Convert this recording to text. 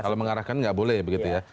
kalau mengarahkan nggak boleh begitu ya